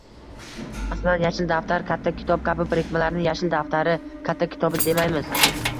Masalan, yashil daftar, katta kitob kabi birikmalarni yashil daftari, katta kitobi demaymiz